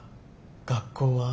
学校は？